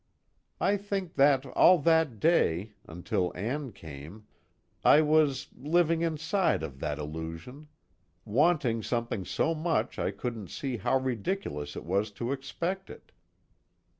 I think that all that day, until Ann came, I was living inside of that illusion. Wanting something so much I couldn't see how ridiculous it was to expect it."